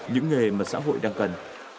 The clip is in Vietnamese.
những nghề mà xã hội đang cần